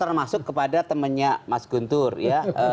termasuk kepada temannya mas guntur ya